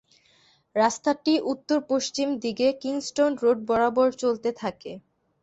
রাস্তাটি উত্তর-পশ্চিম দিকে Kingston road বরাবর চলতে থাকে।